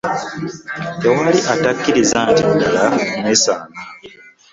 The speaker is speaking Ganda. Tewali atakkirizza nti ddala mwesaana.